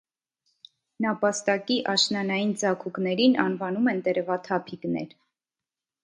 Նապաստակի աշնանային ձագուկներին անվանում են տերևաթափիկներ։